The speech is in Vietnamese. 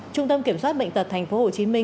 trung tâm kiểm soát bệnh tật tp hcm